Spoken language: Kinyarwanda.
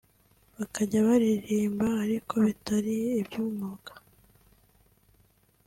bakajya baririmba ariko bitari iby’umwuga